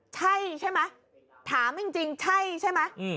ใช่ใช่ไหมถามจริงใช่ใช่ไหม